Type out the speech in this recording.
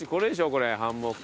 何これハンモック？